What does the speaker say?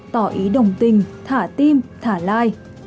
tỏ ý đồng tình thả tim thả like